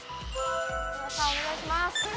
迫田さんお願いします！